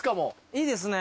いいですね。